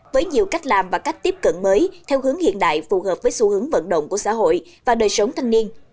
với nhiều cách làm và cách tiếp cận mới theo hướng hiện đại phù hợp với xu hướng vận động của xã hội và đời sống thanh niên